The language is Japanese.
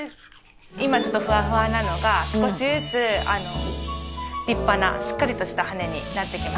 今ちょっとフワフワなのが少しずつ立派なしっかりとした羽根になって来ますね。